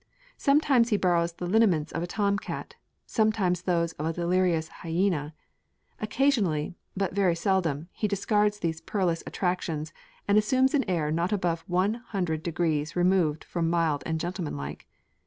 Sometimes he borrows the lineaments of a tom cat: sometimes those of a delirious hyena: occasionally, but very seldom, he discards these perilous attractions and assumes an air not above one hundred degrees removed from mild and gentleman like.